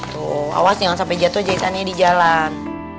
tuh awas jangan sampai jatuh jahitannya di jalan